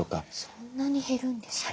そんなに減るんですね。